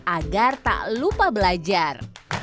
agar tak lupa belajar